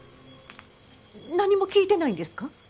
何も聞いてないんですか？